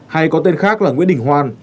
hay có tên khác là nguyễn đình hoan